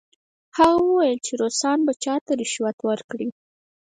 هغه وویل چې روسان به چا ته رشوت ورکړي؟